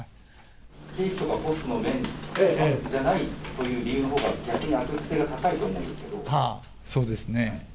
経費とかコストの面じゃないという理由のほうが、逆に悪質性はぁ、そうですね。